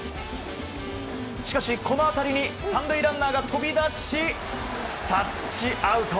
しかし、この当たりに３塁ランナーが飛び出しタッチアウト！